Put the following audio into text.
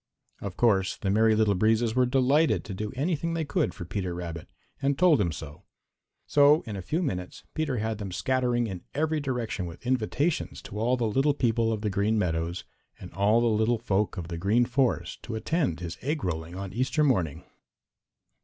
Of course the Merry Little Breezes were delighted to do anything they could for Peter Rabbit, and told him so. So in a few minutes Peter had them scattering in every direction with invitations to all the little people of the Green Meadows and all the little folks of the Green Forest to attend his egg rolling on Easter morning.